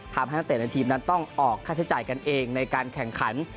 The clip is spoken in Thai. นักเตะในทีมนั้นต้องออกค่าใช้จ่ายกันเองในการแข่งขัน